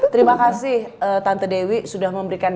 terima kasih tante dewi sudah memberikan